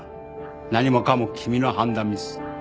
何もかも君の判断ミス。